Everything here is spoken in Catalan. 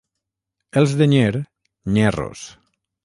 Els de Nyer, nyerros.